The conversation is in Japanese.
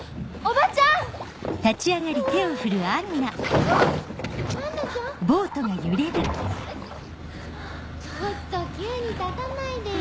ちょっと急に立たないでよ。